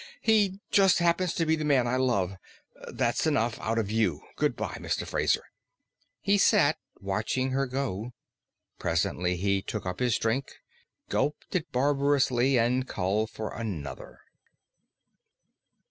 "He just happens to be the man I love. That's enough out of you, good bye, Mr. Fraser." He sat watching her go. Presently he took up his drink, gulped it barbarously, and called for another.